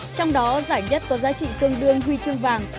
trong đó giải nhất có giá trị tương đương huy chương vàng